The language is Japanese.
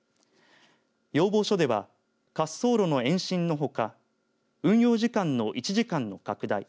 要望書では滑走路の延伸のほか運用時間の１時間の拡大